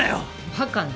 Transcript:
バカな。